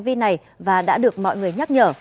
thực hiện hành vi này và đã được mọi người nhắc nhở